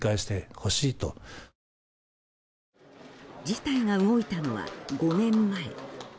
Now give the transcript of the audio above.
事態が動いたのは５年前。